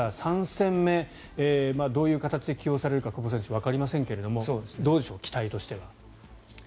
３戦目どういう形で起用されるか久保選手、わかりませんがどうでしょう、期待としては。